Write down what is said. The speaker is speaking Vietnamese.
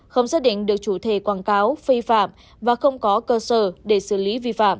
không xác định được chủ thể quảng cáo phi phạm và không có cơ sở để xử lý